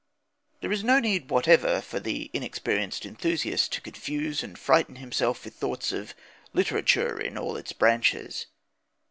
There is no need whatever for the inexperienced enthusiast to confuse and frighten himself with thoughts of "literature in all its branches."